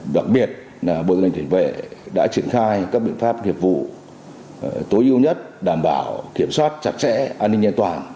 đặc biệt là bộ tư lệnh cảnh vệ đã triển khai các biện pháp nghiệp vụ tối ưu nhất đảm bảo kiểm soát chặt chẽ an ninh nhanh toàn